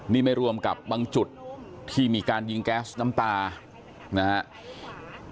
นี่ไม่รวมกับบางจุดที่มีการยิงแก๊สน้ำตานะครับ